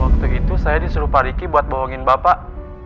waktu itu saya disuruh pak riki buat bohongin bapak